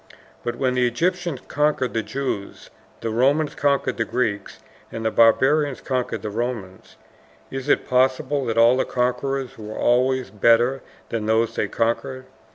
But when the Egyptians conquered the Jews, the Romans conquered the Greeks, and the Barbarians conquered the Romans, is it possible that all the conquerors were always better than those they conquered?